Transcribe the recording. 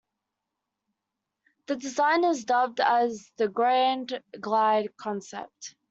This design is dubbed as the "Grand Glide" concept.